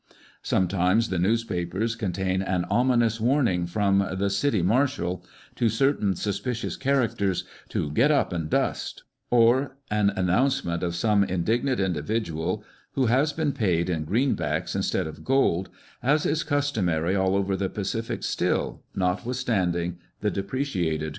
Sometimes the newspapers contain an ominous warning from the "city marshal" to certain suspicious characters " to get up and dust," or an an nouncement of some indignant individual who has been paid in greenbacks instead of gold, as is customary all over the Pacific still, notwithstanding the depreciated currency, * June 13, 1865.